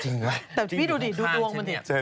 วันที่สุดท้าย